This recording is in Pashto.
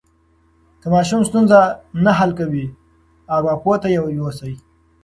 که ماشوم ستونزه نه حل کوي، ارواپوه ته یې یوسئ.